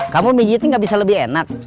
kamu mie jitik gak bisa lebih enak